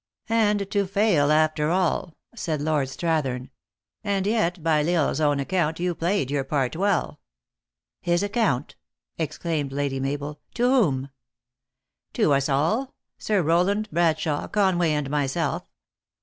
" And to fail, after all," said Lord Strathern. "And yet, by L Isle s own account, you played your part well." THE ACTRESS IN HIGH LIFE. 395 " His account!" exclaimed Lady Mabel. " To whom :?" "To us all Sir Rowland, Bradshawe, Conway, and myself.